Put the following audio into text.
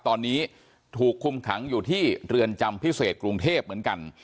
ตอนนี้ถูกคุมขังอยู่ที่เรือนจำพิเศษกรุงเทพเหมือนกัน